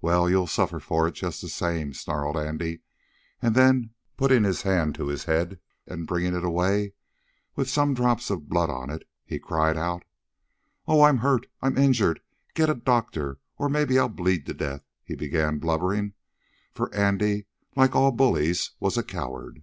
"Well, you'll suffer for it, just the same, snarled Andy, and then, putting his hand to his head, and bringing it away, with some drops of blood on it, he cried out:" "Oh, I'm hurt! I'm injured! Get a doctor, or maybe I'll bleed to death!" He began blubbering, for Andy, like all bullies, was a coward.